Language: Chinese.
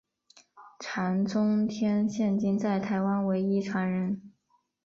常中天现今在台湾唯一传人。